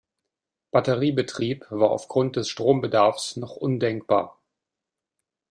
Batteriebetrieb war auf Grund des Strombedarfs noch undenkbar.